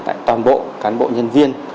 tại toàn bộ cán bộ nhân viên